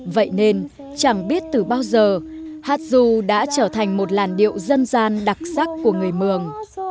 vậy nên chẳng biết từ bao giờ hát du đã trở thành một làn điệu dân gian đặc sắc của người mường